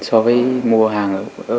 so với mua hàng mới ở ngoài